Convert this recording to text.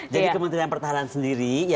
jadi kementerian pertahanan sendiri